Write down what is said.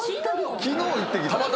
昨日行ってきた？